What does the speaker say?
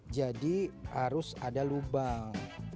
jadi harus ada lubang